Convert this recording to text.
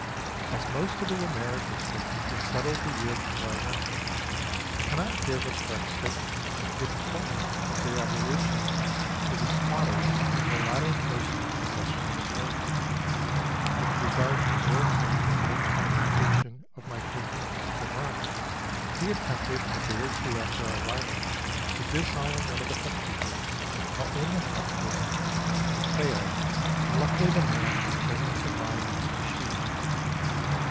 As most of the Wimmera District was settled the year before I went there, I cannot give a correct statement of the deportment of the aborigines to the squatters when the latter first took possession of the territory. With regard to Geordie's behaviour on the occasion of my taking up the run, he attempted a day or two after our arrival to disarm one of the hut keepers while in the hut with him, but failed, and luckily the man had presence of mind not to shoot him.